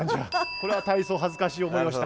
これは大層恥ずかしい思いをした。